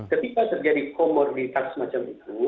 ketika terjadi komoritas semacam itu